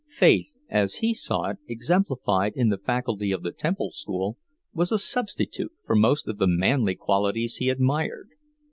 "Faith," as he saw it exemplified in the faculty of the Temple school, was a substitute for most of the manly qualities he admired.